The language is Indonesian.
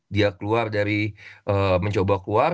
dia keluar dari mencoba keluar